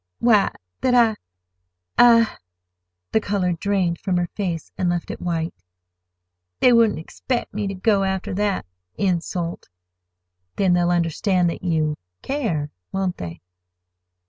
"Why, that I—I—" The color drained from her face and left it white. "They wouldn't expect me to go after that—insult." "Then they'll understand that you—care, won't they?"